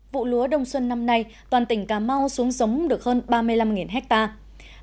vụ lúa đông xuân năm nay toàn tỉnh cà mau xuống giống được hơn ba mươi năm hectare